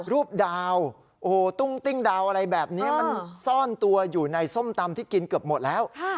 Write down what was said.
รูปดาวโอ้โหตุ้งติ้งดาวอะไรแบบนี้มันซ่อนตัวอยู่ในส้มตำที่กินเกือบหมดแล้ว